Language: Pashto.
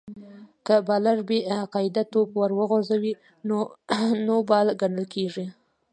که بالر بې قاعدې توپ ور وغورځوي؛ نو نو بال ګڼل کیږي.